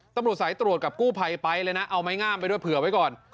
ตำรวจสายตรวจกับกู้ภัยไปเลยนะเอาไม้งามไปด้วยเผื่อไว้ก่อน